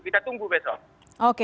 kita tunggu besok